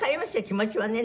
気持ちはね。